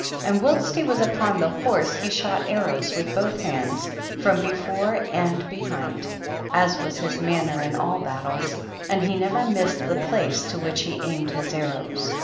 29. And wiiilst he was upon the liorse, he shot arrows with both hands from before and behind, as was his manner in all his battles, and he ne ver missed the place to which he aimed his arrows.